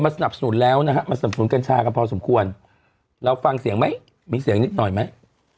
มาสนับสนุนการชาก็รับเข้าข้อสมควรเราฟังเสียงมั้ยมีเสียงนิดหน่อยไหม